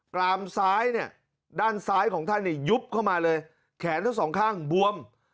รามซ้ายเนี่ยด้านซ้ายของท่านเนี่ยยุบเข้ามาเลยแขนทั้งสองข้างบวม